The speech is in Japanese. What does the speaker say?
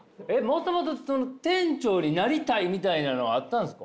もともと店長になりたいみたいなのはあったんですか？